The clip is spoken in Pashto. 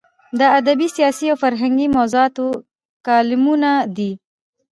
د ادبي، سیاسي او فرهنګي موضوعاتو کالمونه دي.